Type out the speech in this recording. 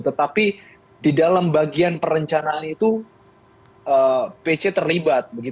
tetapi di dalam bagian perencanaan itu pc terlibat